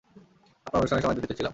আপনার অনুষ্ঠানের সময় দিল্লীতে ছিলাম।